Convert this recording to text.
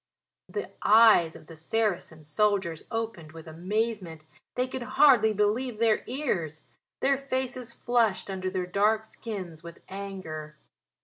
The eyes of the Saracen soldiers opened with amazement: they could hardly believe their ears. Their faces flushed under their dark skins with anger.